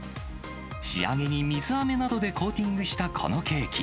仕上げに水あめなどでコーティングしたこのケーキ。